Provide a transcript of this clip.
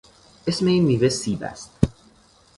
اسم این میوه سیب است.